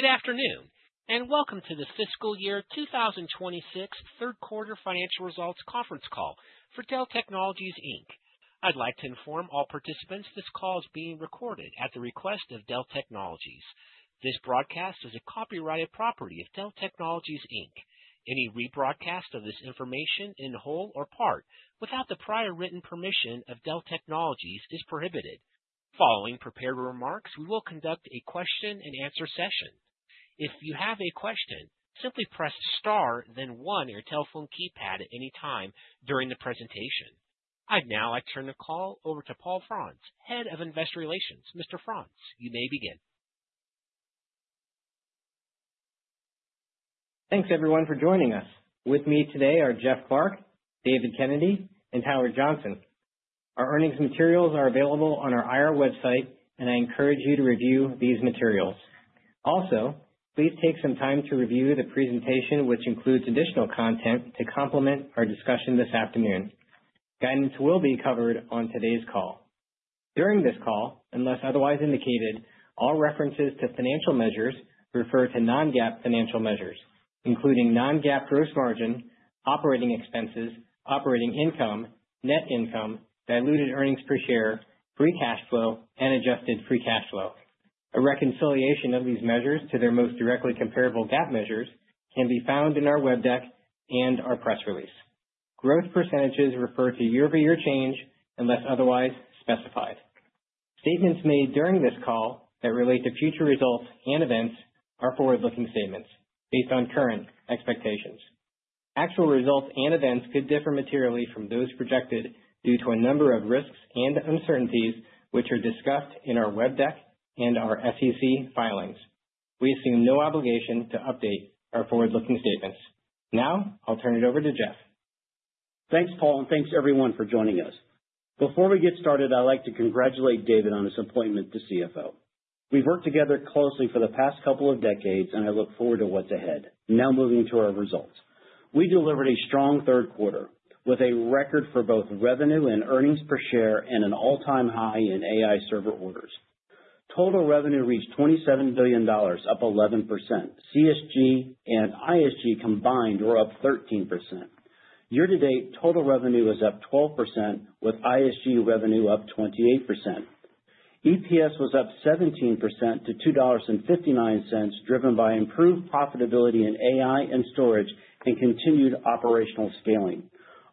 Good afternoon, and welcome to the Fiscal Year 2026 Third Quarter Financial Results Conference Call for Dell Technologies. I'd like to inform all participants this call is being recorded at the request of Dell Technologies. This broadcast is a copyrighted property of Dell Technologies. Any rebroadcast of this information in whole or part without the prior written permission of Dell Technologies is prohibited. Following prepared remarks, we will conduct a question-and-answer session. If you have a question, simply press star then one on your telephone keypad at any time during the presentation. I'd now like to turn the call over to Paul Frantz, Head of Investor Relations. Mr. Frantz, you may begin. Thanks, everyone, for joining us. With me today are Jeff Clarke, David Kennedy, and Howard Johnson. Our earnings materials are available on our IR website, and I encourage you to review these materials. Also, please take some time to review the presentation, which includes additional content to complement our discussion this afternoon. Guidance will be covered on today's call. During this call, unless otherwise indicated, all references to financial measures refer to non-GAAP financial measures, including non-GAAP gross margin, Operating Expenses, Operating Income, net income, diluted earnings per share, free Cash Flow, and adjusted free Cash Flow. A reconciliation of these measures to their most directly comparable GAAP measures can be found in our web deck and our press release. Growth percentages refer to year-over-year change unless otherwise specified. Statements made during this call that relate to future results and events are forward-looking statements based on current expectations. Actual results and events could differ materially from those projected due to a number of risks and uncertainties, which are discussed in our web deck and our SEC filings. We assume no obligation to update our forward-looking statements. Now, I'll turn it over to Jeff. Thanks, Paul, and thanks, everyone, for joining us. Before we get started, I'd like to congratulate David on his appointment to CFO. We've worked together closely for the past couple of decades, and I look forward to what's ahead. Now, moving to our results. We delivered a strong 3rd quarter with a record for both revenue and earnings per share and an all-time high in AI server orders. Total revenue reached $27 billion, up 11%. CSG and ISG combined were up 13%. Year-to-date, total revenue was up 12%, with ISG revenue up 28%. EPS was up 17% to $2.59, driven by improved profitability in AI and storage and continued operational scaling.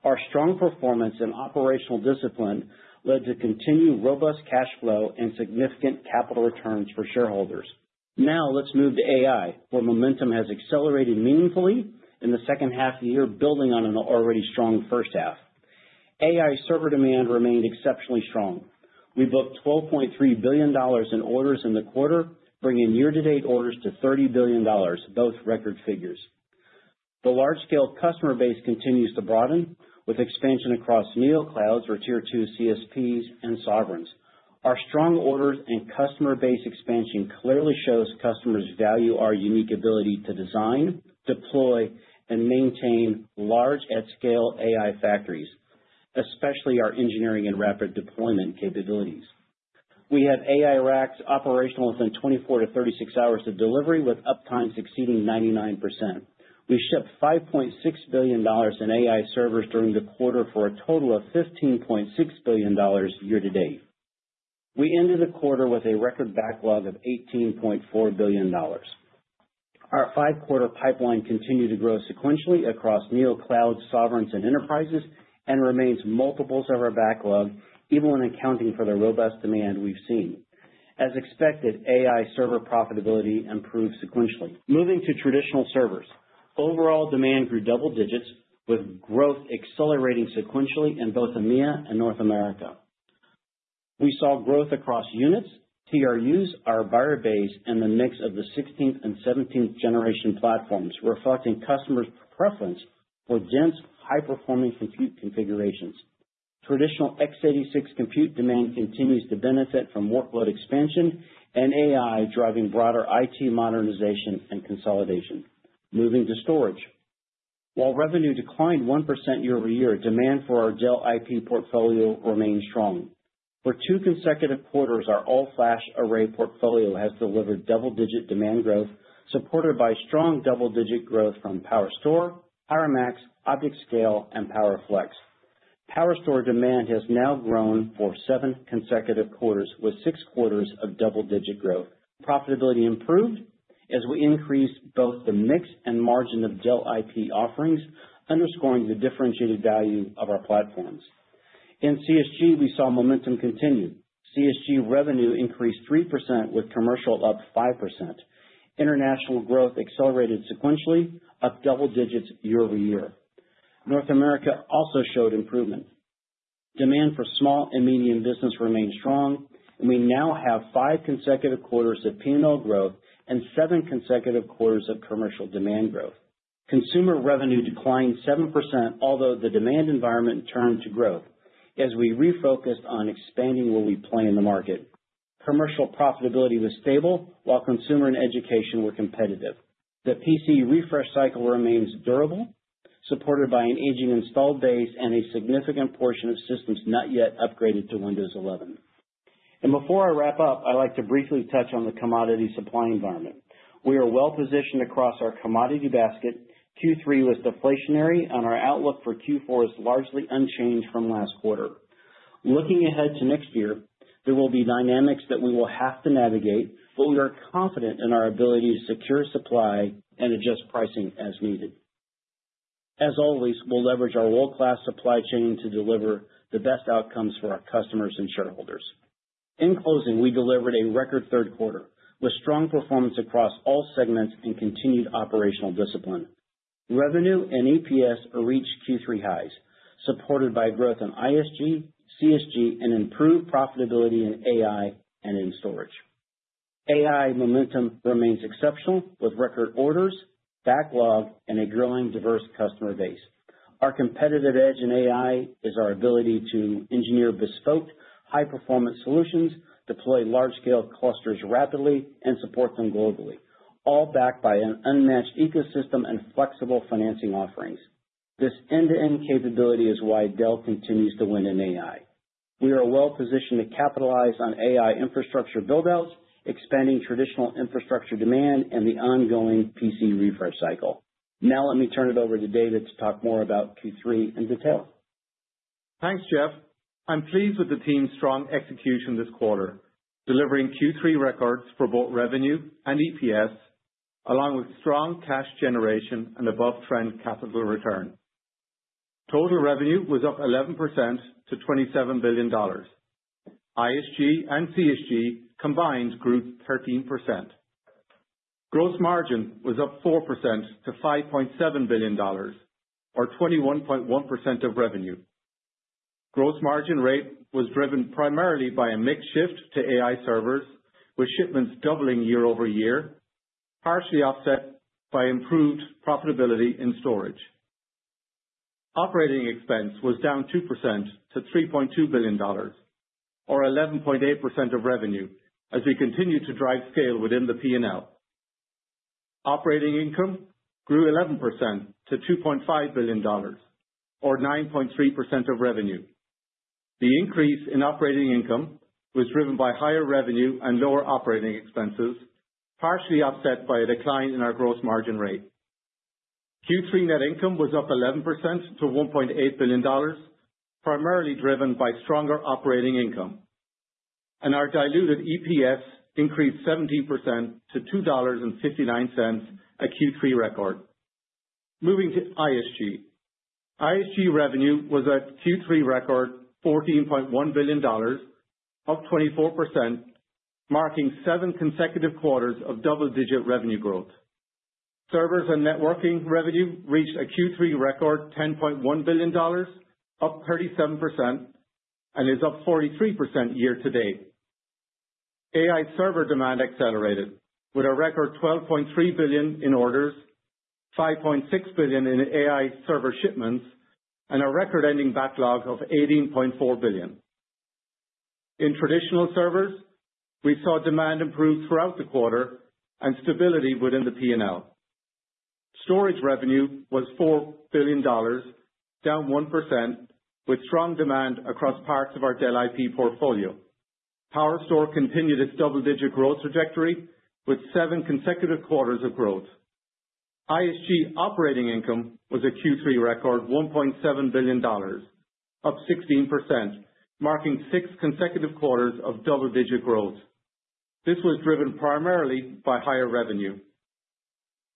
Our strong performance and operational discipline led to continued robust Cash Flow and significant capital returns for shareholders. Now, let's move to AI, where momentum has accelerated meaningfully in the 2nd half of the year, building on an already strong 1st half. AI server demand remained exceptionally strong. We booked $12.3 billion in orders in the quarter, bringing year-to-date orders to $30 billion, both record figures. The large-scale customer base continues to broaden, with expansion across Neoclouds, or tier two CSPs, and Sovereigns. Our strong orders and customer base expansion clearly shows customers value our unique ability to design, deploy, and maintain large at-scale AI factories, especially our engineering and rapid deployment capabilities. We have AI racks operational within 24-36 hours of delivery, with uptime exceeding 99%. We shipped $5.6 billion in AI servers during the quarter for a total of $15.6 billion year-to-date. We ended the quarter with a record backlog of $18.4 billion. Our five-quarter pipeline continued to grow sequentially across Neoclouds, Sovereigns, and enterprises, and remains multiples of our backlog, even when accounting for the robust demand we've seen. As expected, AI server profitability improved sequentially. Moving to Traditional Servers, overall demand grew double digits, with growth accelerating sequentially in both EMEA and North America. We saw growth across units, TRUs, our buyer base, and the mix of the 16th and 17th generation platforms, reflecting customers' preference for dense, high-performing compute configurations. Traditional x86 compute demand continues to benefit from workload expansion and AI driving broader IT modernization and consolidation. Moving to storage, while revenue declined 1% year-over-year, demand for our Dell IP portfolio remained strong. For two consecutive quarters, our all-flash array portfolio has delivered double-digit demand growth, supported by strong double-digit growth from PowerStore, PowerMax, ObjectScale, and PowerFlex. PowerStore demand has now grown for seven consecutive quarters, with six quarters of double-digit growth. Profitability improved as we increased both the mix and margin of Dell IP offerings, underscoring the differentiated value of our platforms. In CSG, we saw momentum continue. CSG revenue increased 3%, with commercial up 5%. International growth accelerated sequentially, up double digits year-over-year. North America also showed improvement. Demand for small and medium business remained strong, and we now have five consecutive quarters of P&L growth and seven consecutive quarters of commercial demand growth. Consumer revenue declined 7%, although the demand environment turned to growth as we refocused on expanding what we play in the market. Commercial profitability was stable, while consumer and education were competitive. The PC refresh cycle remains durable, supported by an aging installed base and a significant portion of systems not yet upgraded to Windows 11. Before I wrap up, I'd like to briefly touch on the commodity supply environment. We are well-positioned across our commodity basket. Q3 was deflationary, and our outlook for Q4 is largely unchanged from last quarter. Looking ahead to next year, there will be dynamics that we will have to navigate, but we are confident in our ability to secure supply and adjust pricing as needed. As always, we'll leverage our World-class supply chain to deliver the best outcomes for our customers and shareholders. In closing, we delivered a record 3rd quarter with strong performance across all segments and continued operational discipline. Revenue and EPS reached Q3 highs, supported by growth in ISG, CSG, and improved profitability in AI and in storage. AI momentum remains exceptional, with record orders, backlog, and a growing diverse customer base. Our competitive edge in AI is our ability to engineer bespoke, high-performance solutions, deploy large-scale clusters rapidly, and support them globally, all backed by an unmatched ecosystem and flexible financing offerings. This end-to-end capability is why Dell continues to win in AI. We are well-positioned to capitalize on AI infrastructure buildouts, expanding traditional infrastructure demand, and the ongoing PC refresh cycle. Now, let me turn it over to David to talk more about Q3 in detail. Thanks, Jeff. I'm pleased with the team's strong execution this quarter, delivering Q3 records for both revenue and EPS, along with strong cash generation and above-trend capital return. Total revenue was up 11% to $27 billion. ISG and CSG combined grew 13%. Gross margin was up 4% to $5.7 billion, or 21.1% of revenue. Gross Margin Rate was driven primarily by a mix shift to AI servers, with shipments doubling year-over-year, partially offset by improved profitability in storage. Operating Expense was down 2% to $3.2 billion, or 11.8% of revenue, as we continue to drive scale within the P&L. Operating Income grew 11% to $2.5 billion, or 9.3% of revenue. The increase in Operating Income was driven by higher revenue and lower Operating Expenses, partially offset by a decline in our Gross Margin Rate. Q3 net income was up 11% to $1.8 billion, primarily driven by stronger Operating Income. Our diluted EPS increased 17% to $2.59, a Q3 record. Moving to ISG. ISG revenue was a Q3 record $14.1 billion, up 24%, marking seven consecutive quarters of double-digit revenue growth. Servers and networking revenue reached a Q3 record $10.1 billion, up 37%, and is up 43% year-to-date. AI server demand accelerated, with a record $12.3 billion in orders, $5.6 billion in AI server shipments, and a record-ending backlog of $18.4 billion. In Traditional Servers, we saw demand improve throughout the quarter and stability within the P&L. Storage revenue was $4 billion, down 1%, with strong demand across parts of our Dell IP portfolio. PowerStore continued its double-digit growth trajectory, with seven consecutive quarters of growth. ISG Operating Income was a Q3 record $1.7 billion, up 16%, marking six consecutive quarters of double-digit growth. This was driven primarily by higher revenue.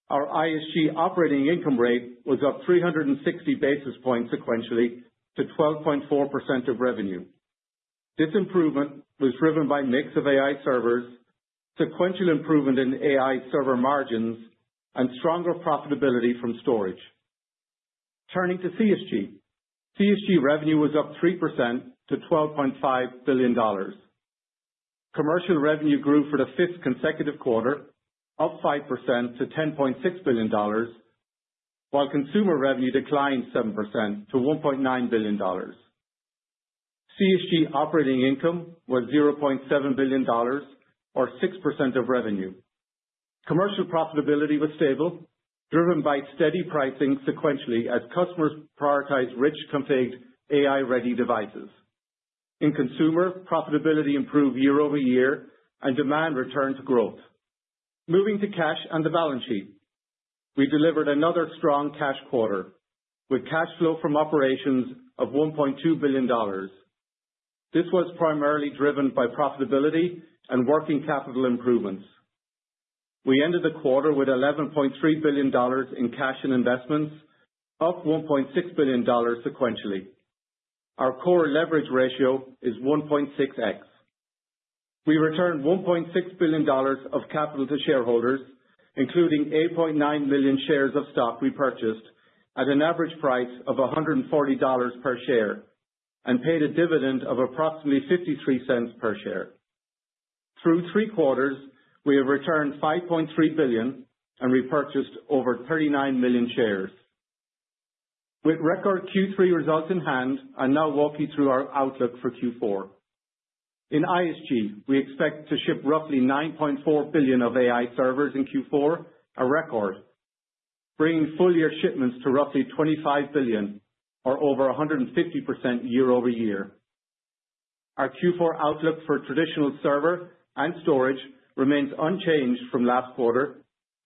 Our ISG Operating Income rate was up 360 basis points sequentially to 12.4% of revenue. This improvement was driven by a mix of AI servers, sequential improvement in AI server margins, and stronger profitability from storage. Turning to CSG, CSG revenue was up 3% to $12.5 billion. Commercial revenue grew for the fifth consecutive quarter, up 5% to $10.6 billion, while consumer revenue declined 7% to $1.9 billion. CSG Operating Income was $0.7 billion, or 6% of revenue. Commercial profitability was stable, driven by steady pricing sequentially as customers prioritized rich configured AI-ready devices. In consumer, profitability improved year-over-year, and demand returned to growth. Moving to cash and the balance sheet, we delivered another strong cash quarter, with Cash Flow from operations of $1.2 billion. This was primarily driven by profitability and working capital improvements. We ended the quarter with $11.3 billion in cash and investments, up $1.6 billion sequentially. Our core leverage ratio is 1.6x. We returned $1.6 billion of capital to shareholders, including 8.9 million shares of stock we purchased at an average price of $140 per share and paid a dividend of approximately $0.53 per share. Through three quarters, we have returned $5.3 billion and repurchased over 39 million shares. With record Q3 results in hand, I now walk you through our outlook for Q4. In ISG, we expect to ship roughly $9.4 billion of AI servers in Q4, a record, bringing full-year shipments to roughly $25 billion, or over 150% year-over-year. Our Q4 outlook for traditional server and storage remains unchanged from last quarter,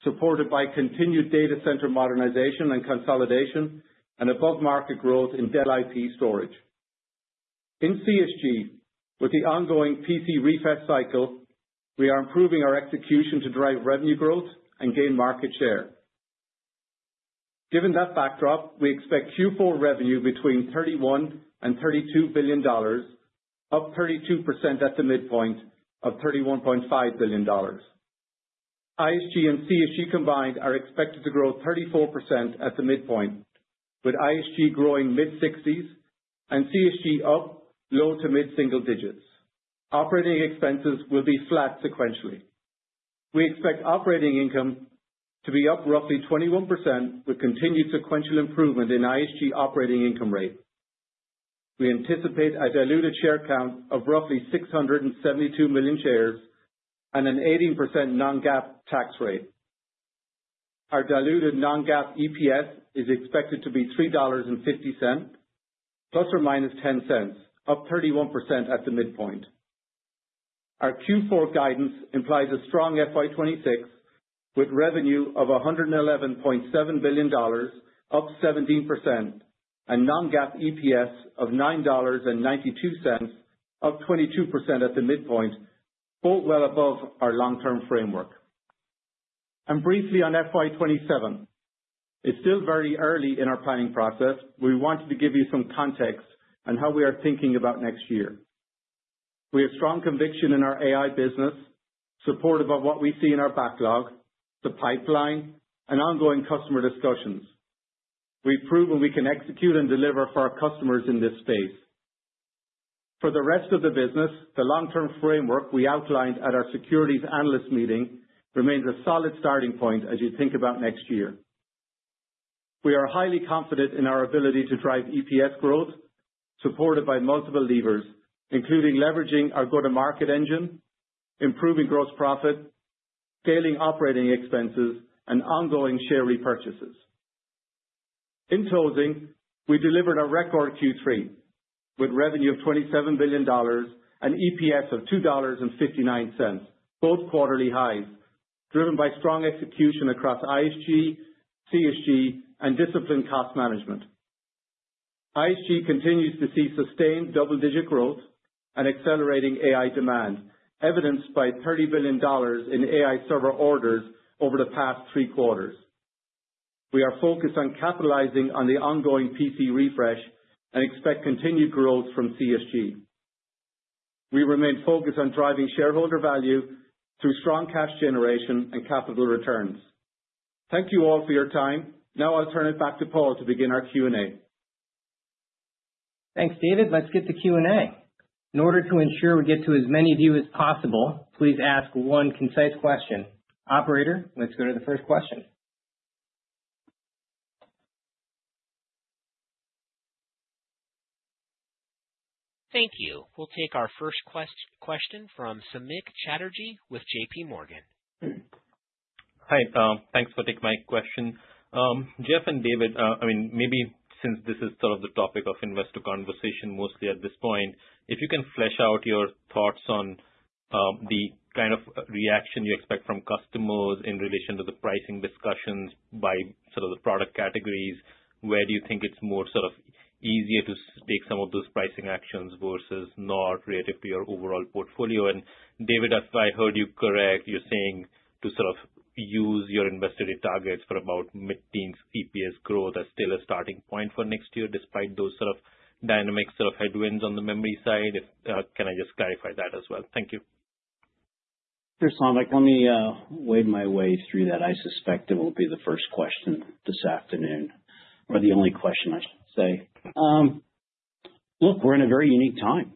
supported by continued data center modernization and consolidation and above-market growth in Dell IP storage. In CSG, with the ongoing PC refresh cycle, we are improving our execution to drive revenue growth and gain market share. Given that backdrop, we expect Q4 revenue between $31 billion and $32 billion, up 32% at the midpoint of $31.5 billion. ISG and CSG combined are expected to grow 34% at the midpoint, with ISG growing mid-60s and CSG up low to mid-single digits. Operating Expenses will be flat sequentially. We expect Operating Income to be up roughly 21%, with continued sequential improvement in ISG Operating Income Rate. We anticipate a diluted share count of roughly 672 million shares and an 18% non-GAAP tax rate. Our diluted non-GAAP EPS is expected to be $3.50, ±$0.10, up 31% at the midpoint. Our Q4 guidance implies a strong FY 2026, with revenue of $111.7 billion, up 17%, and non-GAAP EPS of $9.92, up 22% at the midpoint, both well above our long-term framework. Briefly on FY2027, it is still very early in our planning process. We wanted to give you some context on how we are thinking about next year. We have strong conviction in our AI business, supportive of what we see in our backlog, the pipeline, and ongoing customer discussions. We've proven we can execute and deliver for our customers in this space. For the rest of the business, the long-term framework we outlined at our securities analyst meeting remains a solid starting point as you think about next year. We are highly confident in our ability to drive EPS growth, supported by multiple levers, including leveraging our go-to-market engine, improving gross profit, scaling Operating Expenses, and ongoing share repurchases. In closing, we delivered a record Q3 with revenue of $27 billion and EPS of $2.59, both quarterly highs, driven by strong execution across ISG, CSG, and disciplined cost management. ISG continues to see sustained double-digit growth and accelerating AI demand, evidenced by $30 billion in AI server orders over the past three quarters. We are focused on capitalizing on the ongoing PC refresh and expect continued growth from CSG. We remain focused on driving shareholder value through strong cash generation and capital returns. Thank you all for your time. Now, I'll turn it back to Paul to begin our Q&A. Thanks, David. Let's get to Q&A. In order to ensure we get to as many of you as possible, please ask one concise question. Operator, let's go to the first question. Thank you. We'll take our first question from Samik Chatterjee with J.P. Morgan. Hi. Thanks for taking my question. Jeff and David, I mean, maybe since this is sort of the topic of investor conversation mostly at this point, if you can flesh out your thoughts on the kind of reaction you expect from customers in relation to the pricing discussions by sort of the product categories, where do you think it's more sort of easier to take some of those pricing actions versus not relative to your overall portfolio? David, if I heard you correct, you're saying to sort of use your investor targets for about mid-teens EPS growth as still a starting point for next year, despite those sort of dynamic sort of headwinds on the memory side. Can I just clarify that as well? Thank you. Sure, Tom. Let me wade my way through that. I suspect it will be the first question this afternoon, or the only question I should say. Look, we're in a very unique time.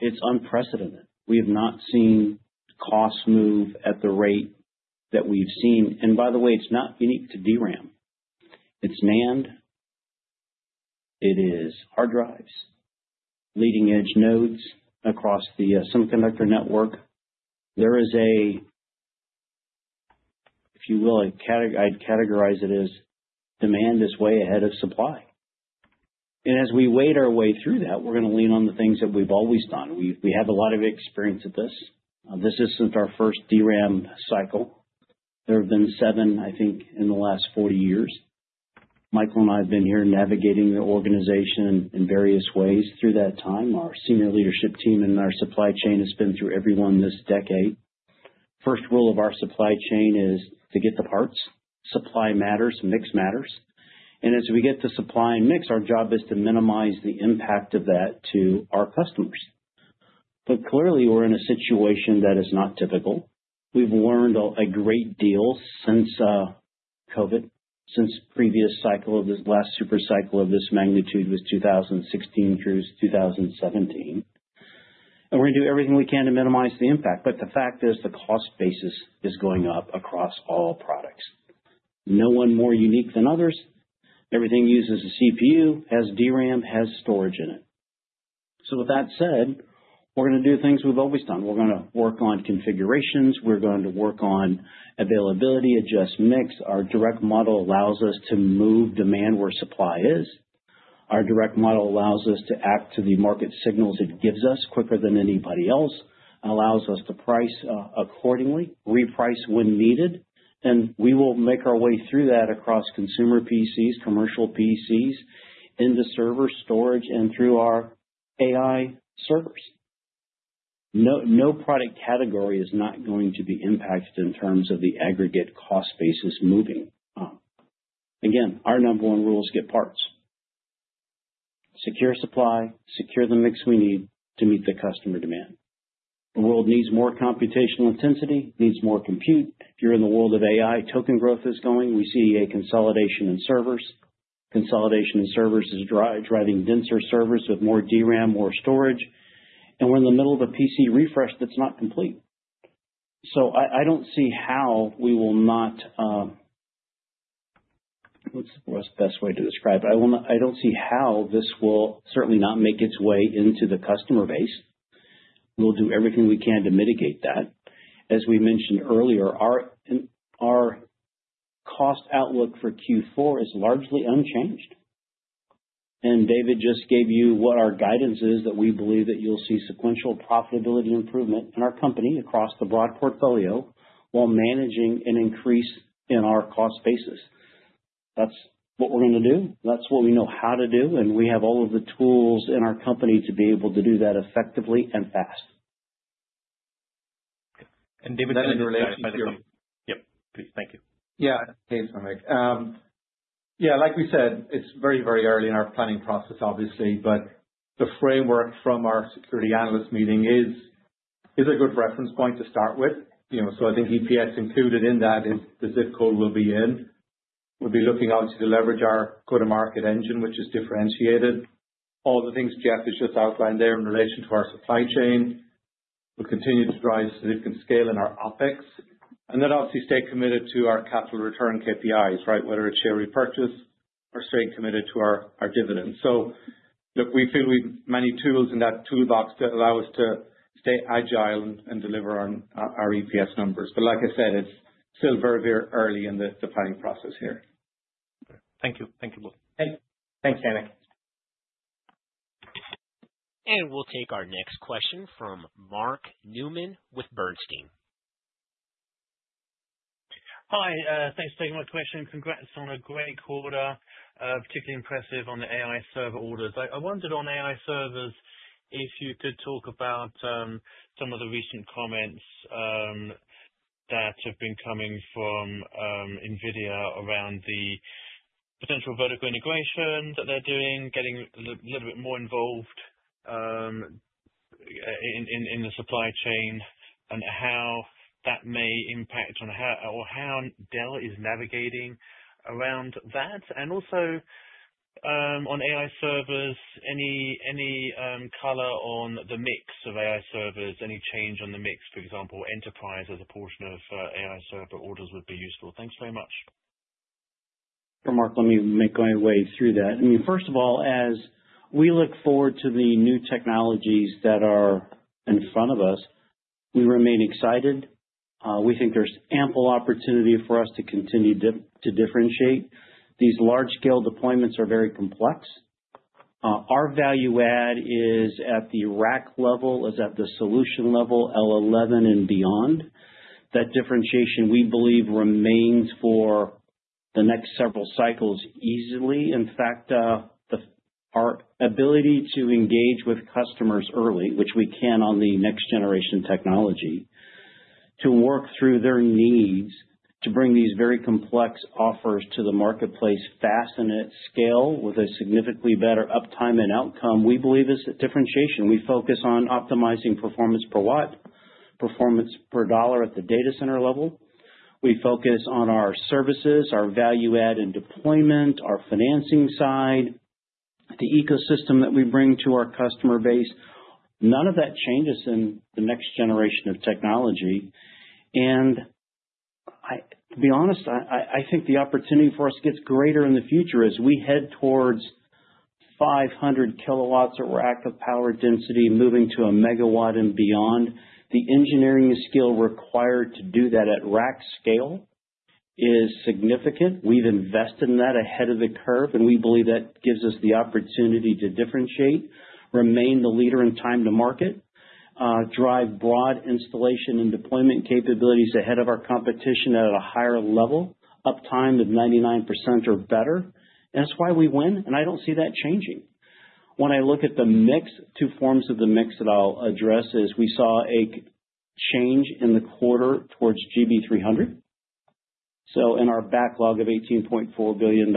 It's unprecedented. We have not seen costs move at the rate that we've seen. By the way, it's not unique to DRAM. It's NAND. It is hard drives, leading-edge nodes across the Semiconductor network. There is a, if you will, I'd categorize it as demand is way ahead of supply. As we wade our way through that, we're going to lean on the things that we've always done. We have a lot of experience at this. This isn't our 1st DRAM cycle. There have been seven, I think, in the last 40 years. Michael and I have been here navigating the organization in various ways through that time. Our senior leadership team and our supply chain has been through everyone this decade. 1st rule of our supply chain is to get the parts. Supply matters. Mix matters. As we get the supply and mix, our job is to minimize the impact of that to our customers. Clearly, we're in a situation that is not typical. We've learned a great deal since COVID, since the previous cycle of this last super cycle of this magnitude was 2016 through 2017. We're going to do everything we can to minimize the impact. The fact is the cost basis is going up across all products. No one more unique than others. Everything uses a CPU, has DRAM, has storage in it. With that said, we're going to do things we've always done. We're going to work on configurations. We're going to work on availability, adjust mix. Our direct model allows us to move demand where supply is. Our direct model allows us to act to the market signals it gives us quicker than anybody else, allows us to price accordingly, reprice when needed. We will make our way through that across Consumer PCs, Commercial PCs, into Server Storage, and through our AI servers. No product category is not going to be impacted in terms of the aggregate cost basis moving. Again, our number one rule is get parts. Secure supply. Secure the mix we need to meet the customer demand. The world needs more computational intensity, needs more compute. If you're in the world of AI, token growth is going. We see a consolidation in servers. Consolidation in servers is driving denser servers with more DRAM, more storage. We are in the middle of a PC refresh that's not complete. I don't see how we will not—what's the best way to describe it? I don't see how this will certainly not make its way into the customer base. We'll do everything we can to mitigate that. As we mentioned earlier, our cost outlook for Q4 is largely unchanged. David just gave you what our guidance is that we believe that you'll see sequential profitability improvement in our company across the broad portfolio while managing an increase in our cost basis. That's what we're going to do. That's what we know how to do. We have all of the tools in our company to be able to do that effectively and fast. David, you can relate to some. Yep. Please. Thank you. Yeah. Hey, Samik. Yeah. Like we said, it's very, very early in our planning process, obviously. The framework from our Security Analyst meeting is a good reference point to start with. I think EPS included in that is the zip code we'll be in. We'll be looking out to leverage our go-to-market engine, which is differentiated. All the things Jeff has just outlined there in relation to our supply chain, we'll continue to drive significant scale in our OpEx. Obviously, we stay committed to our Capital Return KPIs, right, whether it's share repurchase or stay committed to our dividends. Look, we feel we have many tools in that toolbox that allow us to stay agile and deliver our EPS numbers. Like I said, it's still very, very early in the planning process here. Thank you. Thank you both. Thanks, Samik. We will take our next question from Mark Newman with Bernstein. Hi. Thanks for taking my question. Congrats on a great quarter, particularly impressive on the AI server orders. I wondered on AI servers if you could talk about some of the recent comments that have been coming from NVIDIA around the potential vertical integration that they're doing, getting a little bit more involved in the supply chain and how that may impact on how Dell is navigating around that. Also on AI servers, any color on the mix of AI servers, any change on the mix, for example, enterprise as a portion of AI server orders would be useful. Thanks very much. For Mark, let me make my way through that. I mean, first of all, as we look forward to the new technologies that are in front of us, we remain excited. We think there's ample opportunity for us to continue to differentiate. These large-scale deployments are very complex. Our value add is at the rack level, is at the solution level, L11 and beyond. That differentiation, we believe, remains for the next several cycles easily. In fact, our ability to engage with customers early, which we can on the next-generation technology, to work through their needs to bring these very complex offers to the marketplace fast and at scale with a significantly better uptime and outcome, we believe is a differentiation. We focus on optimizing performance per watt, performance per dollar at the Data Center level. We focus on our services, our value add and deployment, our financing side, the ecosystem that we bring to our customer base. None of that changes in the next generation of technology. To be honest, I think the opportunity for us gets greater in the future as we head towards 500 kW of rack of power density moving to a MW and beyond. The engineering skill required to do that at rack scale is significant. We have invested in that ahead of the curve, and we believe that gives us the opportunity to differentiate, remain the leader in time to market, drive broad installation and deployment capabilities ahead of our competition at a higher level, uptime of 99% or better. That is why we win. I do not see that changing. When I look at the mix, two forms of the mix that I'll address is we saw a change in the quarter towards GB300. In our backlog of $18.4 billion,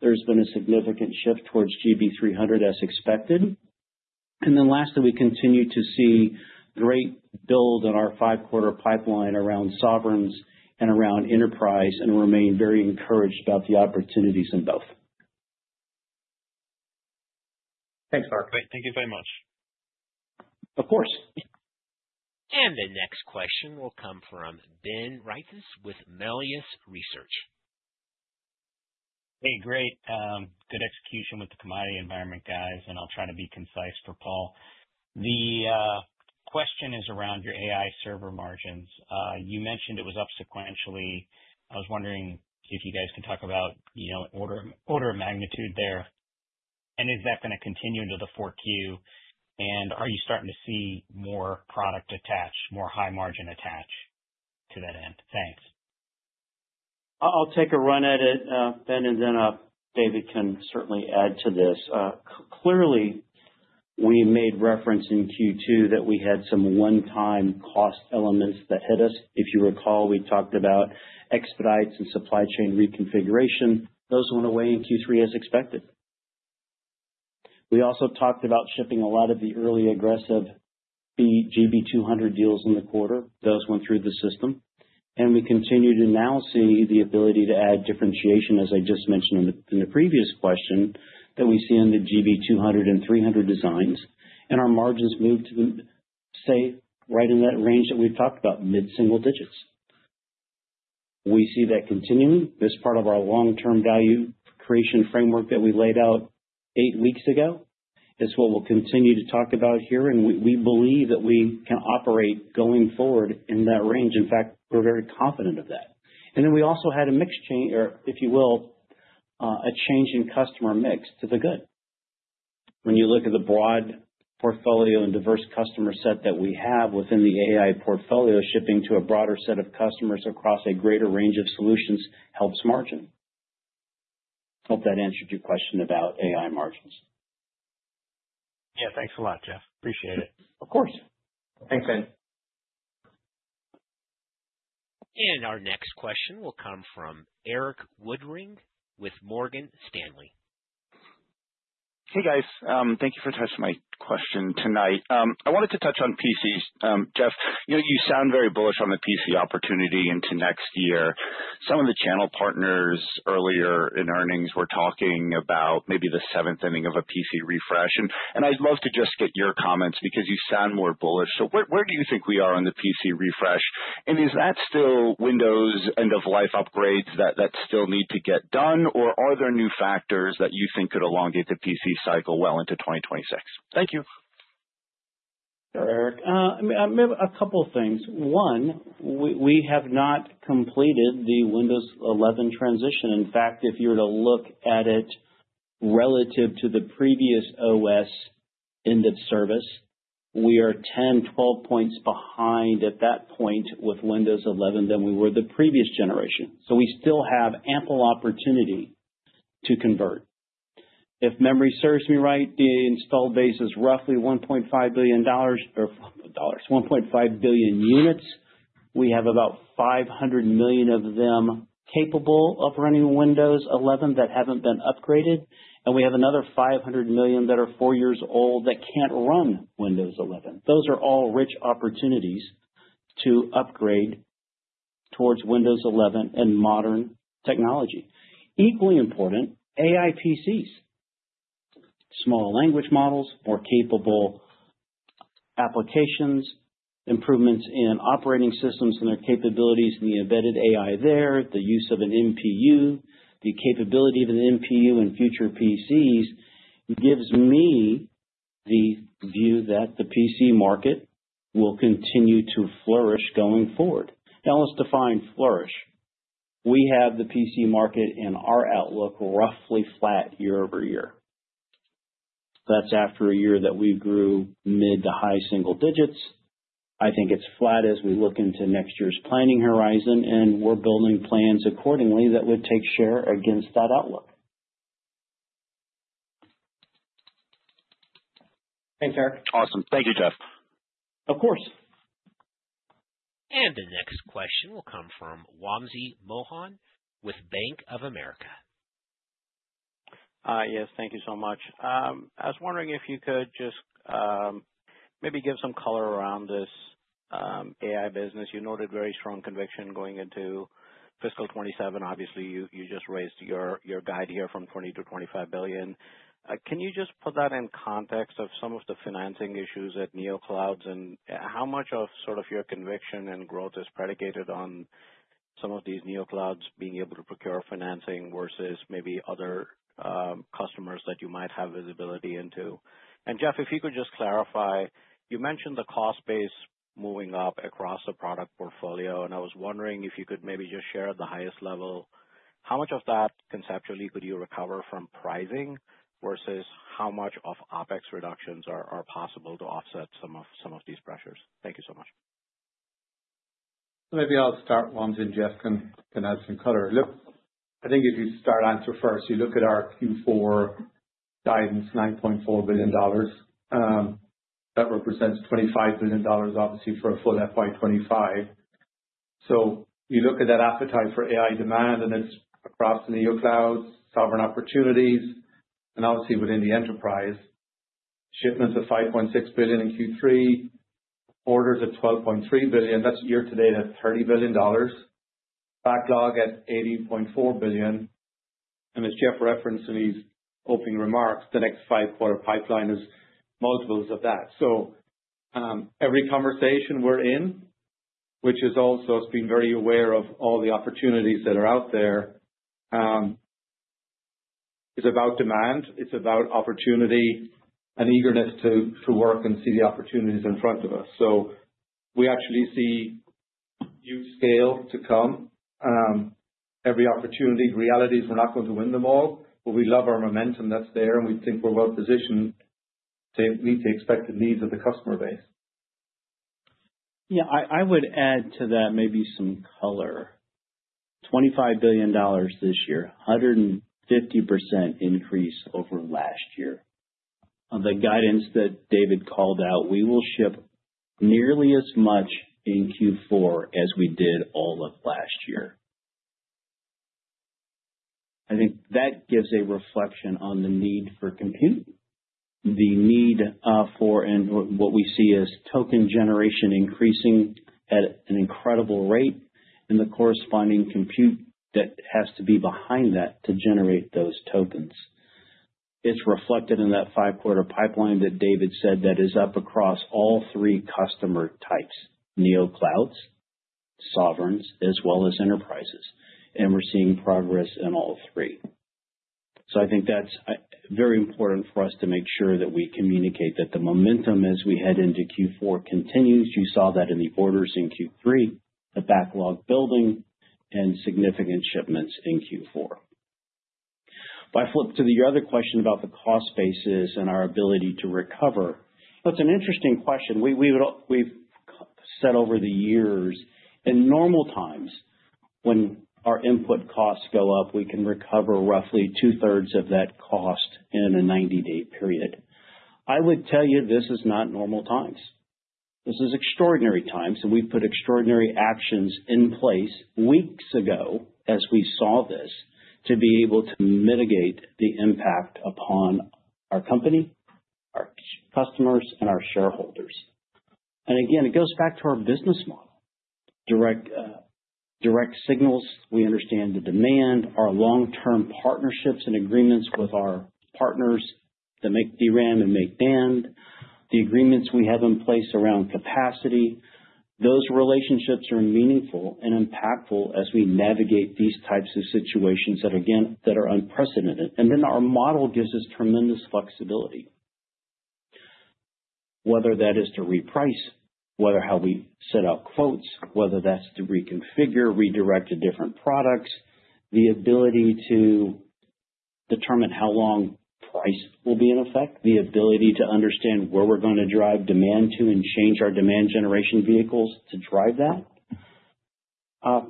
there's been a significant shift towards GB300 as expected. Lastly, we continue to see great build on our five-quarter pipeline around sovereigns and around enterprise and remain very encouraged about the opportunities in both. Thanks, Mark. Great. Thank you very much. Of course. The next question will come from Ben Reitzes with Melius Research. Hey, great. Good execution with the commodity environment, guys. I'll try to be concise for Paul. The question is around your AI server margins. You mentioned it was up sequentially. I was wondering if you guys can talk about order of magnitude there. Is that going to continue into the 4Q? Are you starting to see more product attached, more high margin attached to that end? Thanks. I'll take a run at it, Ben, and then David can certainly add to this. Clearly, we made reference in Q2 that we had some one-time cost elements that hit us. If you recall, we talked about expedites and supply chain reconfiguration. Those went away in Q3 as expected. We also talked about shipping a lot of the early aggressive GB200 deals in the quarter. Those went through the system. We continue to now see the ability to add differentiation, as I just mentioned in the previous question, that we see in the GB200 and 300 designs. Our margins moved to stay right in that range that we've talked about, mid-single digits. We see that continuing. This part of our long-term value creation framework that we laid out eight weeks ago is what we'll continue to talk about here. We believe that we can operate going forward in that range. In fact, we're very confident of that. We also had a mix change, or if you will, a change in customer mix to the good. When you look at the broad portfolio and diverse customer set that we have within the AI portfolio, shipping to a broader set of customers across a greater range of solutions helps margin. I hope that answered your question about AI margins. Yeah. Thanks a lot, Jeff. Appreciate it. Of course. Thanks, Ben. Our next question will come from Erik Woodring with Morgan Stanley. Hey, guys. Thank you for touching my question tonight. I wanted to touch on PCs. Jeff, you sound very bullish on the PC opportunity into next year. Some of the channel partners earlier in earnings were talking about maybe the 7th inning of a PC refresh. I'd love to just get your comments because you sound more bullish. Where do you think we are on the PC refresh? Is that still Windows End-of-Life upgrades that still need to get done, or are there new factors that you think could elongate the PC cycle well into 2026? Thank you. Sure, Erik. Maybe a couple of things. One, we have not completed the Windows 11 transition. In fact, if you were to look at it relative to the previous OS in the service, we are 10-12 points behind at that point with Windows 11 than we were the previous generation. We still have ample opportunity to convert. If memory serves me right, the installed base is roughly $1.5 billion or 1.5 billion units. We have about 500 million of them capable of running Windows 11 that have not been upgraded. We have another 500 million that are four years old that cannot run Windows 11. Those are all rich opportunities to upgrade towards Windows 11 and modern technology. Equally important, AI PCs, small language models, more capable applications, improvements in operating systems and their capabilities, and the embedded AI there, the use of an NPU, the capability of an NPU in future PCs gives me the view that the PC market will continue to flourish going forward. Now, let's define flourish. We have the PC market in our outlook roughly flat year-over-year. That's after a year that we grew mid to high single digits. I think it's flat as we look into next year's planning horizon, and we're building plans accordingly that would take share against that outlook. Thanks, Erik. Awesome. Thank you, Jeff. Of course. The next question will come from Wamsi Mohan with Bank of America. Yes. Thank you so much. I was wondering if you could just maybe give some color around this AI business. You noted very strong conviction going into fiscal 2027. Obviously, you just raised your guide here from $20 billion-$25 billion. Can you just put that in context of some of the financing issues at Neoclouds? How much of sort of your conviction and growth is predicated on some of these Neoclouds being able to procure financing versus maybe other customers that you might have visibility into? Jeff, if you could just clarify, you mentioned the cost base moving up across the product portfolio, and I was wondering if you could maybe just share at the highest level, how much of that conceptually could you recover from pricing versus how much of OpEx reductions are possible to offset some of these pressures? Thank you so much. Maybe I'll start, Wamsi, and Jeff can add some color. Look, I think if you start answer first, you look at our Q4 guidance, $9.4 billion. That represents $25 billion, obviously, for a full FY 2025. You look at that appetite for AI demand, and it's across the Neoclouds, sovereign opportunities, and obviously within the enterprise, shipments of $5.6 billion in Q3, orders of $12.3 billion. That's year to date at $30 billion. Backlog at $80.4 billion. As Jeff referenced in his opening remarks, the next five-quarter pipeline is multiples of that. Every conversation we're in, which has also been very aware of all the opportunities that are out there, is about demand. It's about opportunity and eagerness to work and see the opportunities in front of us. We actually see huge scale to come. Every opportunity reality is we're not going to win them all, but we love our momentum that's there, and we think we're well positioned to meet the expected needs of the customer base. Yeah. I would add to that maybe some color. $25 billion this year, 150% increase over last year. On the guidance that David called out, we will ship nearly as much in Q4 as we did all of last year. I think that gives a reflection on the need for compute, the need for what we see as token generation increasing at an incredible rate and the corresponding compute that has to be behind that to generate those tokens. It is reflected in that five-quarter pipeline that David said that is up across all three customer types, Neoclouds, sovereigns, as well as enterprises. We are seeing progress in all three. I think that is very important for us to make sure that we communicate that the momentum as we head into Q4 continues. You saw that in the orders in Q3, the backlog building, and significant shipments in Q4. If I flip to the other question about the cost basis and our ability to recover, that's an interesting question. We've said over the years, in normal times, when our input costs go up, we can recover roughly 2/3 of that cost in a 90-day period. I would tell you this is not normal times. This is extraordinary times, and we've put extraordinary actions in place weeks ago as we saw this to be able to mitigate the impact upon our company, our customers, and our shareholders. It goes back to our Business Model, Direct Signals. We understand the demand, our long-term partnerships and agreements with our partners that make DRAM and make NAND, the agreements we have in place around capacity. Those relationships are meaningful and impactful as we navigate these types of situations that, again, are unprecedented. Our model gives us tremendous flexibility, whether that is to reprice, how we set out quotes, whether that's to reconfigure, redirect to different products, the ability to determine how long price will be in effect, the ability to understand where we're going to drive demand to and change our demand generation vehicles to drive that.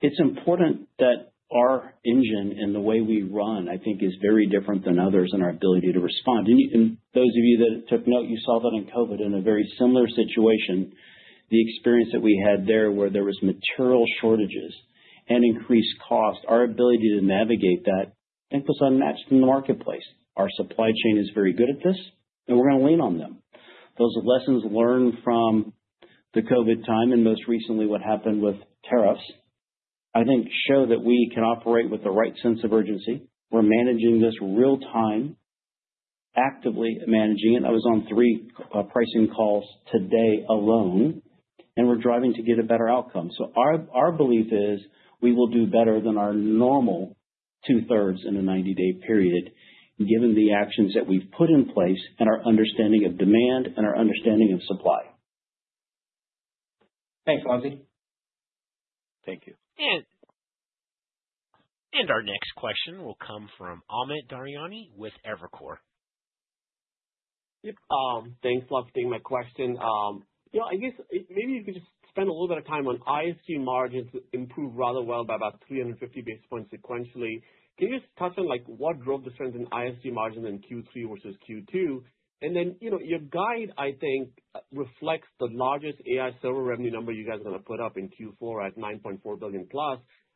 It's important that our engine and the way we run, I think, is very different than others in our ability to respond. Those of you that took note saw that in COVID in a very similar situation. The experience that we had there where there were material shortages and increased costs, our ability to navigate that, I think, was unmatched in the marketplace. Our supply chain is very good at this, and we're going to lean on them. Those lessons learned from the COVID time and most recently what happened with tariffs, I think, show that we can operate with the right sense of urgency. We are managing this real-time, actively managing it. I was on three pricing calls today alone, and we are driving to get a better outcome. Our belief is we will do better than our normal 2/3 in a 90-day period, given the actions that we have put in place and our understanding of demand and our understanding of supply. Thanks, Wamsi. Thank you. Our next question will come from Amit Daryanani with Evercore. Yep. Thanks, Wamsi. My question. I guess maybe you could just spend a little bit of time on ISG margins improved rather well by about 350 basis points sequentially. Can you just touch on what drove the trends in ISG margins in Q3 versus Q2? Your guide, I think, reflects the largest AI server revenue number you guys are going to put up in Q4 at $9.4 billion+.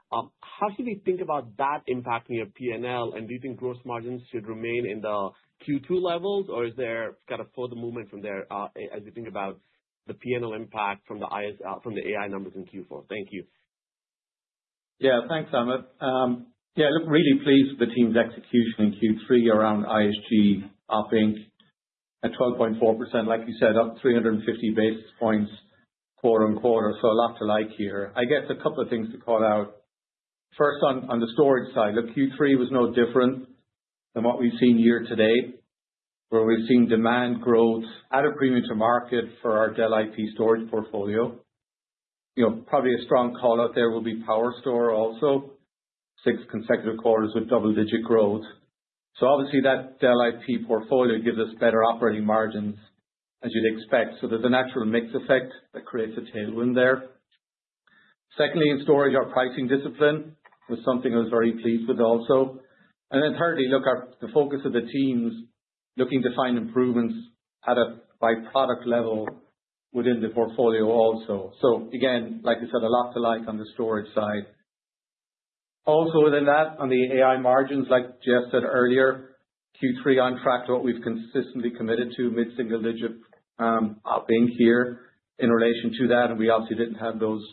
How should we think about that impacting your P&L? Do you think gross margins should remain in the Q2 levels, or is there kind of further movement from there as you think about the P&L impact from the AI numbers in Q4? Thank you. Yeah. Thanks, Amit. Yeah. Look, really pleased with the team's execution in Q3 around ISG, up ink at 12.4%, like you said, up 350 basis points quarter-on-quarter. A lot to like here. I guess a couple of things to call out. First, on the storage side, Q3 was no different than what we've seen year to date, where we've seen demand growth at a premium to market for our Dell IP storage portfolio. Probably a strong call out there will be PowerStore also, six consecutive quarters with double-digit growth. Obviously, that Dell IP portfolio gives us better operating margins as you'd expect. There's a natural mix effect that creates a tailwind there. Secondly, in storage, our pricing discipline was something I was very pleased with also. Thirdly, look, the focus of the teams looking to find improvements at a by-product level within the portfolio also. Like I said, a lot to like on the storage side. Also within that, on the AI margins, like Jeff said earlier, Q3 on track to what we've consistently committed to, mid-single-digit UpInk here in relation to that. We obviously didn't have those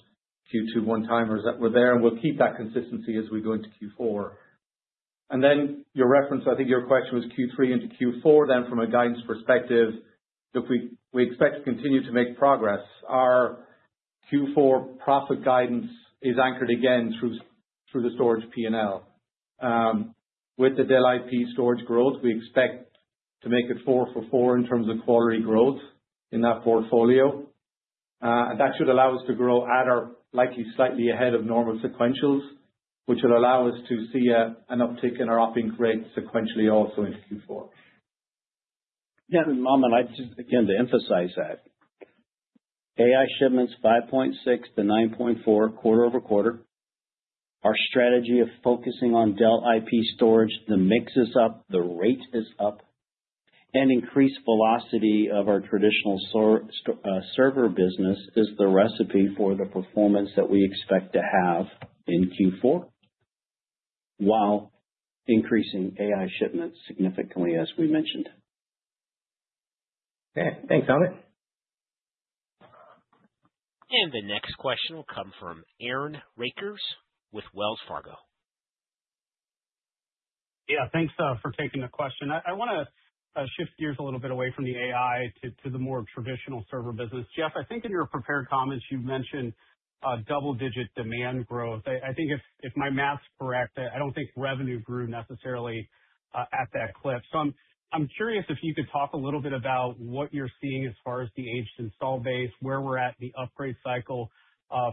Q2 one-timers that were there, and we'll keep that consistency as we go into Q4. Your reference, I think your question was Q3 into Q4, then from a guidance perspective, look, we expect to continue to make progress. Our Q4 profit guidance is anchored again through the storage P&L. With the Dell IP storage growth, we expect to make it four for four in terms of quality growth in that portfolio. That should allow us to grow at our likely slightly ahead of normal sequentials, which will allow us to see an uptick in our up ink rate sequentially also into Q4. Yeah. Amit, I just, again, to emphasize that AI shipments $5.6 billion-$9.4 billion quarter-over-quarter, our strategy of focusing on Dell IP storage, the mix is up, the rate is up, and increased velocity of our traditional server business is the recipe for the performance that we expect to have in Q4 while increasing AI shipments significantly, as we mentioned. Okay. Thanks, Amit. The next question will come from Aaron Rakers with Wells Fargo. Yeah. Thanks for taking the question. I want to shift gears a little bit away from the AI to the more traditional server business. Jeff, I think in your prepared comments, you've mentioned double-digit demand growth. I think if my math's correct, I don't think revenue grew necessarily at that cliff. I'm curious if you could talk a little bit about what you're seeing as far as the aged install base, where we're at in the upgrade cycle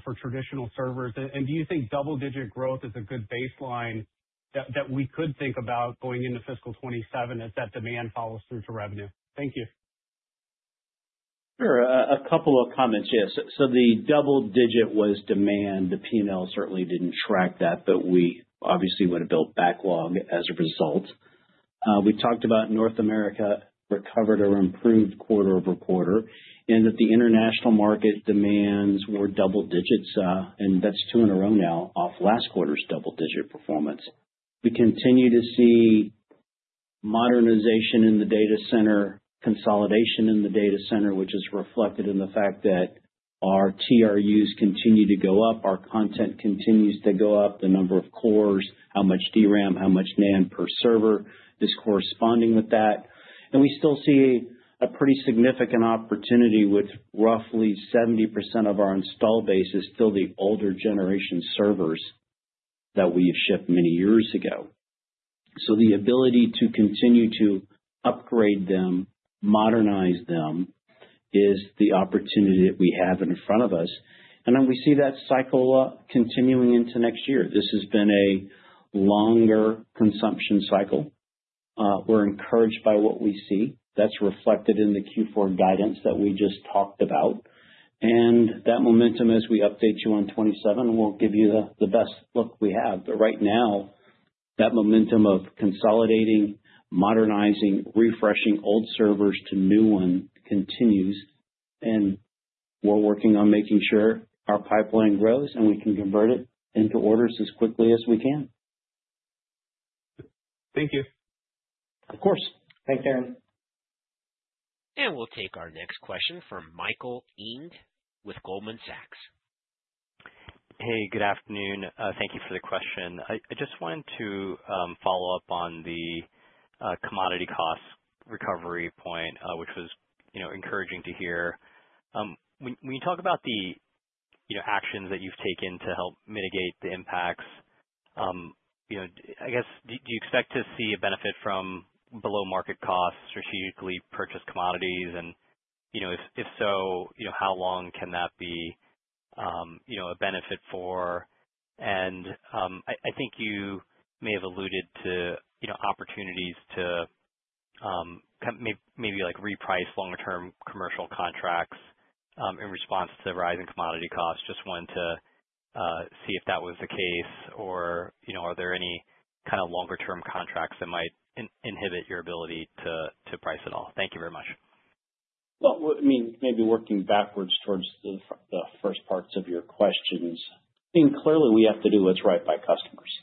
for Traditional Servers. Do you think double-digit growth is a good baseline that we could think about going into fiscal 2027 as that demand follows through to revenue? Thank you. Sure. A couple of comments, yes. The double-digit was demand. The P&L certainly did not track that, but we obviously would have built backlog as a result. We talked about North America recovered or improved quarter-over-quarter and that the international market demands were double digits. That is two in a row now off last quarter's double-digit performance. We continue to see modernization in the data center, consolidation in the data center, which is reflected in the fact that our TRUs continue to go up, our content continues to go up, the number of cores, how much DRAM, how much NAND per server is corresponding with that. We still see a pretty significant opportunity with roughly 70% of our install base still the older generation servers that we shipped many years ago. The ability to continue to upgrade them, modernize them is the opportunity that we have in front of us. We see that cycle continuing into next year. This has been a longer consumption cycle. We're encouraged by what we see. That's reflected in the Q4 guidance that we just talked about. That momentum, as we update you on 2027, will give you the best look we have. Right now, that momentum of consolidating, modernizing, refreshing old servers to new ones continues. We're working on making sure our pipeline grows and we can convert it into orders as quickly as we can. Thank you. Of course. Thanks, Aaron. We'll take our next question from Michael Eng with Goldman Sachs. Hey, good afternoon. Thank you for the question. I just wanted to follow up on the Commodity Cost Recovery Point, which was encouraging to hear. When you talk about the actions that you've taken to help mitigate the impacts, I guess, do you expect to see a benefit from below market costs, strategically purchased commodities? If so, how long can that be a benefit for? I think you may have alluded to opportunities to maybe reprice longer-term commercial contracts in response to rising commodity costs. Just wanted to see if that was the case, or are there any kind of longer-term contracts that might inhibit your ability to price at all? Thank you very much. I mean, maybe working backwards towards the 1st parts of your questions. I think clearly we have to do what's right by customers.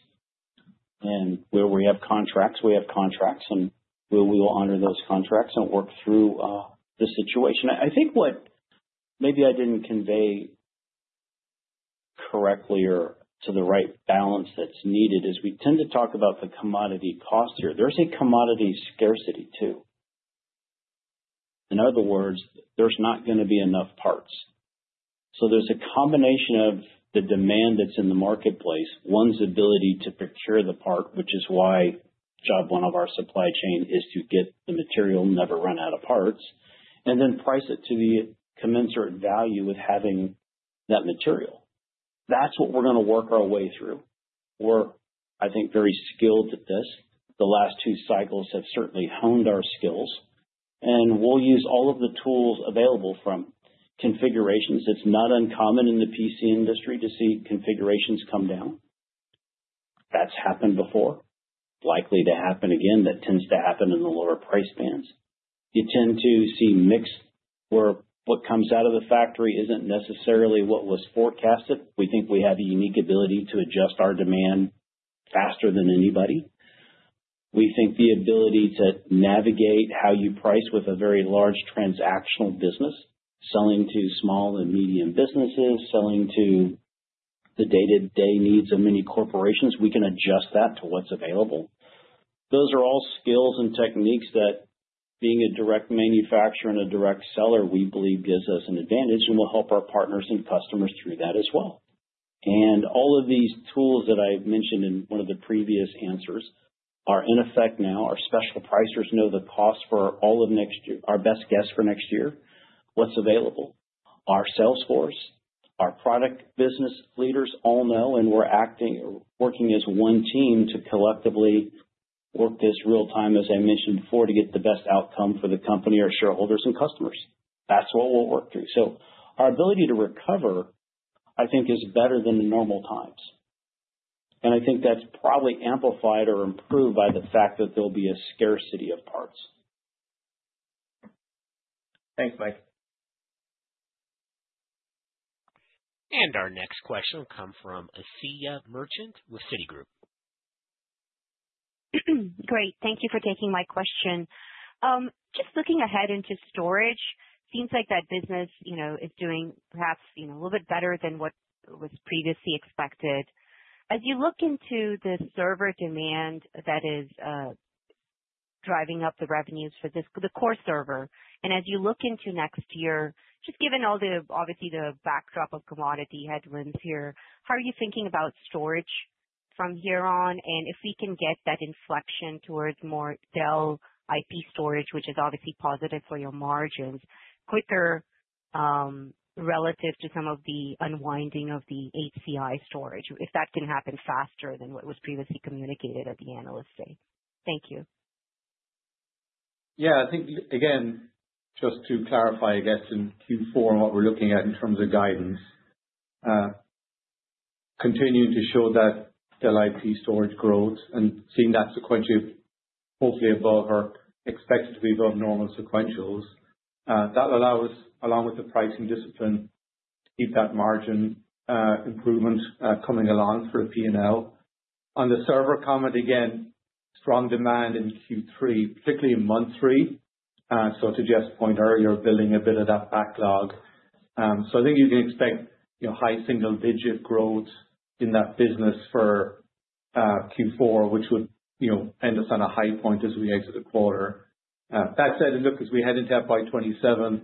Where we have contracts, we have contracts, and we will honor those contracts and work through the situation. I think what maybe I didn't convey correctly or to the right balance that's needed is we tend to talk about the commodity cost here. There's a commodity scarcity too. In other words, there's not going to be enough parts. There's a combination of the demand that's in the marketplace, one's ability to procure the part, which is why job one of our supply chain is to get the material, never run out of parts, and then price it to the commensurate value with having that material. That's what we're going to work our way through. We're, I think, very skilled at this. The last two cycles have certainly honed our skills. We will use all of the tools available from configurations. It is not uncommon in the PC industry to see configurations come down. That has happened before, likely to happen again. That tends to happen in the lower price bands. You tend to see mixed where what comes out of the factory is not necessarily what was forecasted. We think we have a unique ability to adjust our demand faster than anybody. We think the ability to navigate how you price with a very large transactional business, selling to small and medium businesses, selling to the day-to-day needs of many corporations, we can adjust that to what is available. Those are all skills and techniques that, being a direct manufacturer and a direct seller, we believe gives us an advantage and will help our partners and customers through that as well. All of these tools that I've mentioned in one of the previous answers are in effect now. Our special pricers know the cost for all of next year, our best guess for next year, what's available. Our sales force, our product business leaders all know, and we're working as one team to collectively work this real-time, as I mentioned before, to get the best outcome for the company, our shareholders, and customers. That's what we'll work through. Our ability to recover, I think, is better than normal times. I think that's probably amplified or improved by the fact that there'll be a scarcity of parts. Thanks, Michael. Our next question will come from Asiya Merchant with Citigroup. Great. Thank you for taking my question. Just looking ahead into storage, it seems like that business is doing perhaps a little bit better than what was previously expected. As you look into the server demand that is driving up the revenues for the core server, and as you look into next year, just given all the, obviously, the backdrop of Commodity Headwinds here, how are you thinking about storage from here on? If we can get that inflection towards more Dell IP storage, which is obviously positive for your margins, quicker relative to some of the unwinding of the HCI storage, if that can happen faster than what was previously communicated at the Analyst Day? Thank you. Yeah. I think, again, just to clarify, I guess, in Q4, what we're looking at in terms of guidance, continuing to show that Dell IP storage growth and seeing that sequentially, hopefully, above or expected to be above normal sequentials, that allows, along with the pricing discipline, to keep that margin improvement coming along for the P&L. On the server comment, again, strong demand in Q3, particularly in month three. To Jeff's point earlier, building a bit of that backlog. I think you can expect high single-digit growth in that business for Q4, which would end us on a high point as we exit the quarter. That said, look, as we head into FY 2027,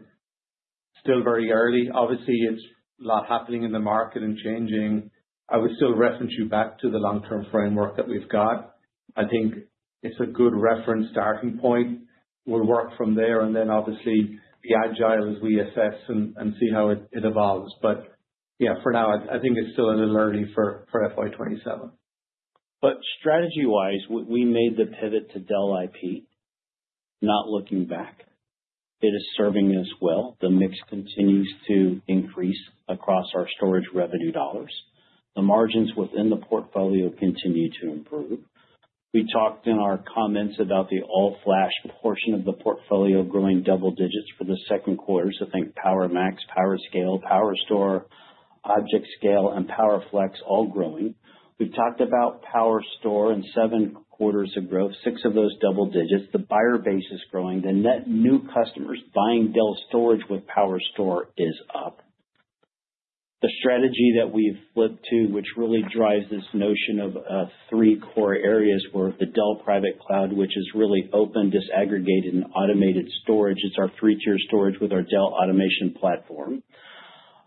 still very early. Obviously, it's a lot happening in the market and changing. I would still reference you back to the long-term framework that we've got. I think it's a good reference starting point. We'll work from there. Obviously, be agile as we assess and see how it evolves. For now, I think it's still a little early for FY 2027. Strategy-wise, we made the pivot to Dell IP, not looking back. It is serving us well. The mix continues to increase across our Storage Revenue Dollars. The margins within the portfolio continue to improve. We talked in our comments about the all-flash portion of the portfolio growing double digits for the second quarter. Think PowerMax, PowerScale, PowerStore, ObjectScale, and PowerFlex, all growing. We've talked about PowerStore and seven quarters of growth, six of those double digits. The buyer base is growing. The net new customers buying Dell storage with PowerStore is up. The strategy that we've flipped to, which really drives this notion of three core areas where the Dell Private Cloud, which is really open, disaggregated, and automated storage, it's our three-tier storage with our Dell Automation Platform.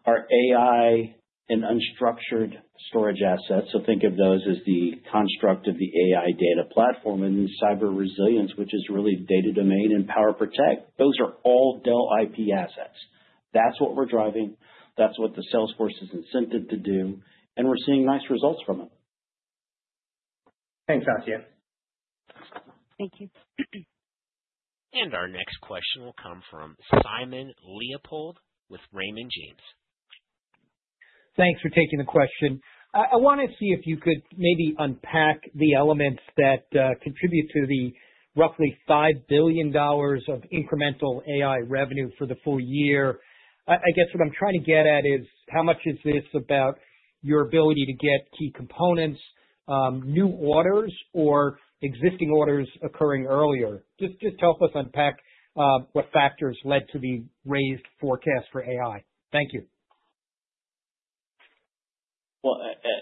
Our AI and unstructured storage assets, so think of those as the construct of the AI data platform, and then cyber resilience, which is really Data Domain and PowerProtect. Those are all Dell IP assets. That's what we're driving. That's what the sales force is incented to do. We're seeing nice results from it. Thanks, Asiya. Thank you. Our next question will come from Simon Leopold with Raymond James. Thanks for taking the question. I want to see if you could maybe unpack the elements that contribute to the roughly $5 billion of incremental AI revenue for the full year. I guess what I'm trying to get at is how much is this about your ability to get key components, new orders, or existing orders occurring earlier? Just help us unpack what factors led to the raised forecast for AI. Thank you.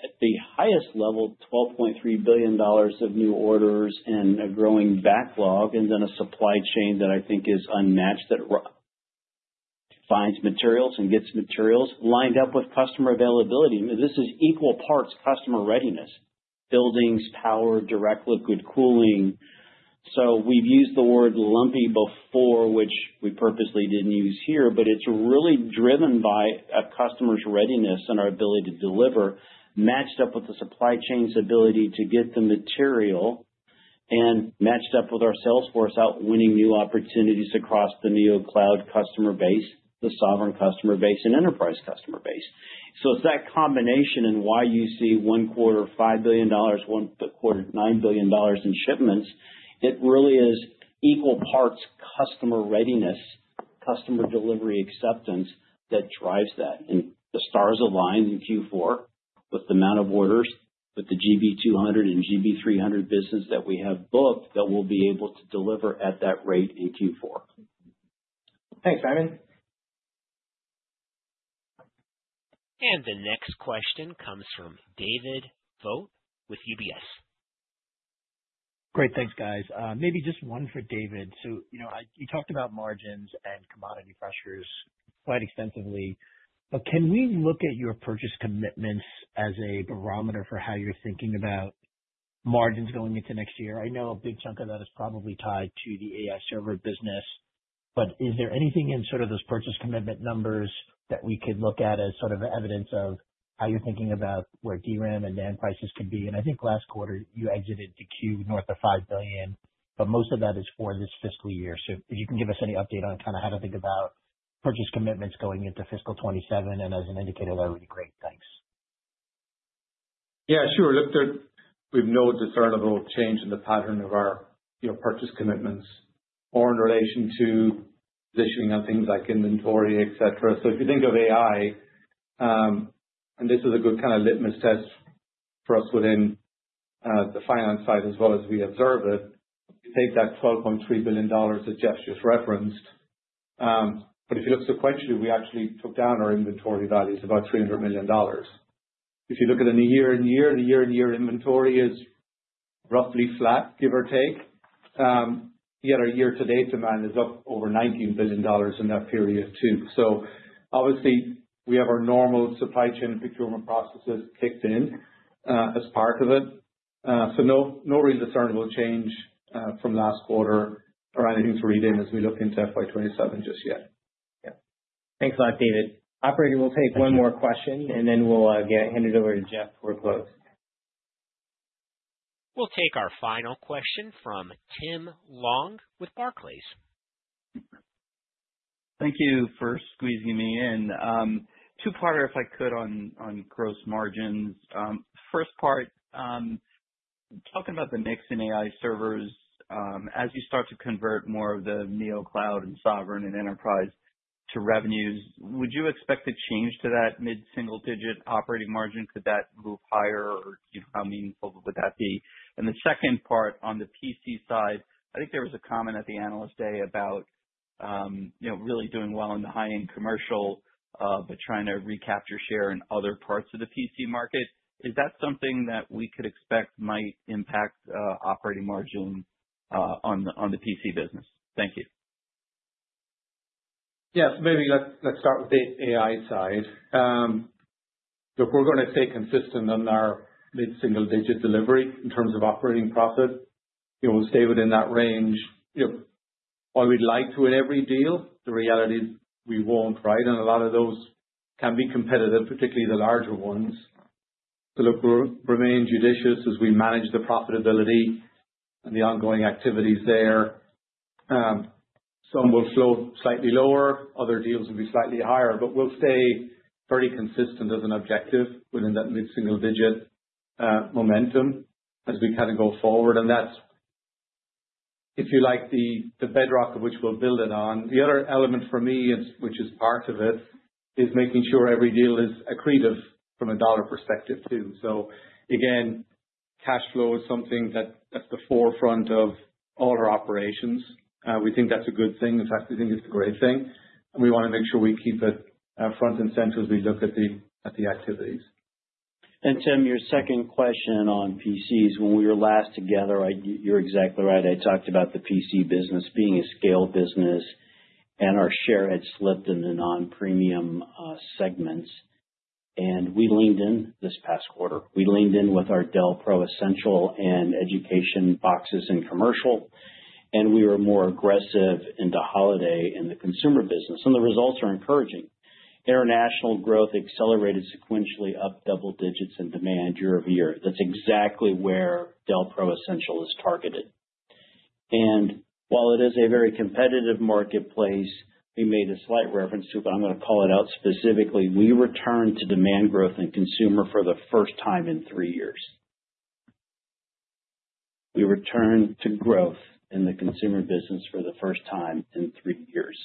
At the highest level, $12.3 billion of new orders and a growing backlog, and then a supply chain that I think is unmatched that finds materials and gets materials lined up with customer availability. This is equal parts customer readiness: Buildings, Power, Direct Liquid Cooling. We have used the word lumpy before, which we purposely did not use here, but it is really driven by a customer's readiness and our ability to deliver, matched up with the supply chain's ability to get the material, and matched up with our sales force out winning new opportunities across the Neocloud customer base, the Sovereign customer base, and Enterprise customer base. It is that combination and why you see one quarter, $5 billion, one quarter, $9 billion in shipments. It really is equal parts customer readiness, customer delivery acceptance that drives that. The stars align in Q4 with the amount of orders, with the GB200 and GB300 business that we have booked that we'll be able to deliver at that rate in Q4. Thanks, Simon. The next question comes from David Vogt with UBS. Great. Thanks, guys. Maybe just one for David. You talked about margins and commodity pressures quite extensively. Can we look at your purchase commitments as a barometer for how you're thinking about margins going into next year? I know a big chunk of that is probably tied to the AI server business. Is there anything in sort of those purchase commitment numbers that we could look at as evidence of how you're thinking about where DRAM and NAND prices could be? I think last quarter, you exited the queue north of $5 billion, but most of that is for this fiscal year. If you can give us any update on kind of how to think about purchase commitments going into fiscal 2027, and as an indicator, that would be great. Thanks. Yeah, sure. Look, we've noticed a certain level of change in the pattern of our purchase commitments, more in relation to positioning on things like inventory, et cetera. If you think of AI, and this is a good kind of litmus test for us within the finance side as well as we observe it, take that $12.3 billion that Jeff just referenced. If you look sequentially, we actually took down our inventory values about $300 million. If you look at the year-on-year, the year-on-year inventory is roughly flat, give or take. Yet our year-to-date demand is up over $19 billion in that period too. Obviously, we have our normal supply chain procurement processes kicked in as part of it. No real discernible change from last quarter or anything to read in as we look into FY 2027 just yet. Yeah. Thanks a lot, David. Operator, we'll take one more question, and then we'll get handed over to Jeff to close. We'll take our final question from Tim Long with Barclays. Thank you for squeezing me in. Two-parter, if I could, on gross margins. 1st part, talking about the mix in AI servers, as you start to convert more of the Neocloud and Sovereign and Enterprise to revenues, would you expect a change to that mid-single-digit operating margin? Could that move higher? How meaningful would that be? The second part on the PC side, I think there was a comment at the Analyst Day about really doing well in the high-end commercial, but trying to recapture share in other parts of the PC market. Is that something that we could expect might impact operating margin on the PC business? Thank you. Yes. Maybe let's start with the AI side. Look, we're going to stay consistent on our mid-single-digit delivery in terms of operating profit. We'll stay within that range. While we'd like to win every deal, the reality is we won't, right? A lot of those can be competitive, particularly the larger ones. Look, we'll remain judicious as we manage the profitability and the ongoing activities there. Some will flow slightly lower. Other deals will be slightly higher. We'll stay very consistent as an objective within that mid-single-digit momentum as we kind of go forward. That's, if you like, the bedrock of which we'll build it on. The other element for me, which is part of it, is making sure every deal is accretive from a dollar perspective too. Again, Cash Flow is something that's the forefront of all our operations. We think that's a good thing. In fact, we think it's a great thing. We want to make sure we keep it front and center as we look at the activities. Tim, your second question on PCs, when we were last together, you're exactly right. I talked about the PC business being a scale business, and our share had slipped in the non-premium segments. We leaned in this past quarter. We leaned in with our Dell Pro Essential and Education Boxes and Commercial. We were more aggressive into holiday in the consumer business. The results are encouraging. International growth accelerated sequentially, up double digits in demand year-over-year. That's exactly where Dell Pro Essential is targeted. While it is a very competitive marketplace, we made a slight reference to, but I'm going to call it out specifically, we returned to demand growth in consumer for the 1st time in three years. We returned to growth in the consumer business for the 1st time in three years.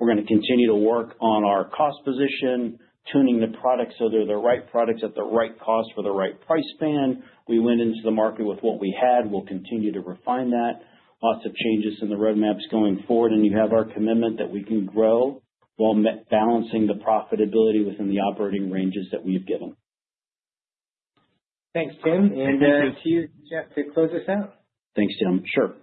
We're going to continue to work on our cost position, tuning the products so they're the right products at the right cost for the right price band. We went into the market with what we had. We'll continue to refine that. Lots of changes in the roadmaps going forward. You have our commitment that we can grow while balancing the profitability within the operating ranges that we have given. Thanks, Tim. To close this out. Thanks, Tim. Sure.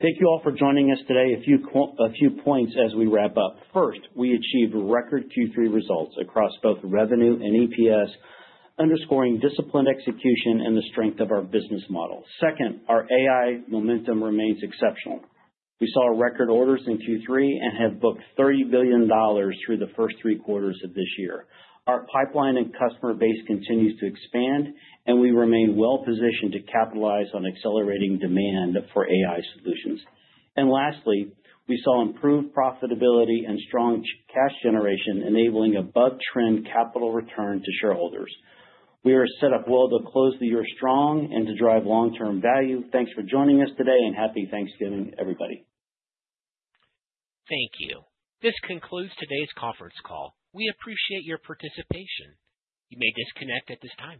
Thank you all for joining us today. A few points as we wrap up. First, we achieved record Q3 results across both revenue and EPS, underscoring disciplined execution and the strength of our business model. Second, our AI momentum remains exceptional. We saw record orders in Q3 and have booked $30 billion through the 1st three quarters of this year. Our pipeline and customer base continues to expand, and we remain well-positioned to capitalize on accelerating demand for AI solutions. Lastly, we saw improved profitability and strong cash generation, enabling above-trend capital return to shareholders. We are set up well to close the year strong and to drive long-term value. Thanks for joining us today, and happy Thanksgiving, everybody. Thank you. This concludes today's conference call. We appreciate your participation. You may disconnect at this time.